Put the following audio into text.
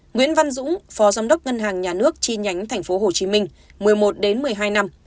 nguyễn văn dũng phó giám đốc ngân hàng nhà nước chi nhánh tp hcm một mươi một đến một mươi hai năm